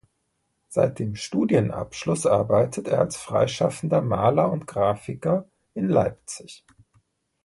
Seit dem Studienabschluss arbeitet er als freischaffender Maler und Grafiker in Leipzig.